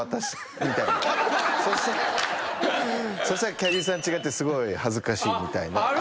そしたらキャディーさん違ってすごい恥ずかしいみたいな。